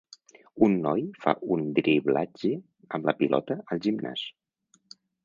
Un noi fa un driblatge amb la pilota al gimnàs.